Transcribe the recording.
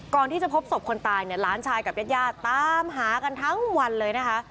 ก่อนที่จะพบศพคนตายเนี่ยหลานชายกับญาติญาติตามหากันทั้งวันเลยนะคะ